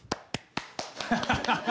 ハハハハ！